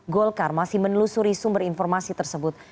golkar masih menelusuri sumber informasi tersebut